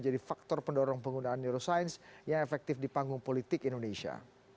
juga menjadi faktor pendorong penggunaan neurosains yang efektif di panggung politik indonesia